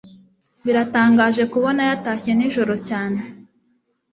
biratangaje kubona yatashye nijoro cyane